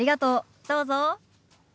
どうぞ。